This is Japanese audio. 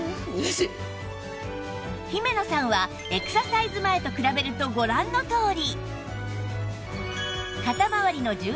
姫野さんはエクササイズ前と比べるとご覧のとおり